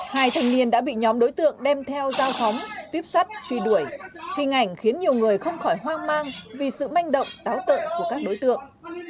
hai thanh niên đã bị nhóm đối tượng đem theo giao phóng tuyếp sắt truy đuổi hình ảnh khiến nhiều người không khỏi hoang mang vì sự manh động táo tợn của các đối tượng